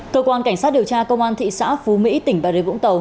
cơ quan cảnh sát điều tra công an thị xã phú mỹ tỉnh bà rê vũng tàu